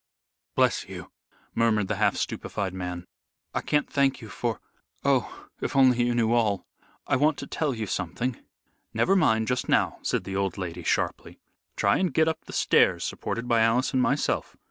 "Bless you," murmured the half stupefied man. "I can't thank you for Oh! if you only knew all! I want to tell you something." "Never mind just now," said the old lady, sharply. "Try and get up the stairs supported by Alice and myself.